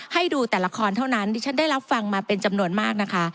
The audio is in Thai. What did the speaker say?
ให้ดูแต่ละครเท่านั้นที่ฉันได้รับฟังมาเป็นจำนวนมากนะคะ